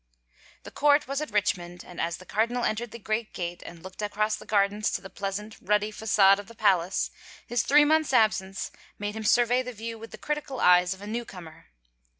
The court was at Richmond and as the cardinal en tered the great gate and looked across the gardens to the pleasant, ruddy fa<;ade of the palace, his three months absence made him survey the view with the critical eyes of a newcomer.